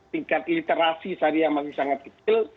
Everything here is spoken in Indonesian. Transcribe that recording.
tingkat literasi syariah masih sangat kecil